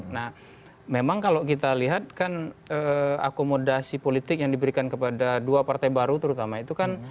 nah memang kalau kita lihat kan akomodasi politik yang diberikan kepada dua partai baru terutama itu kan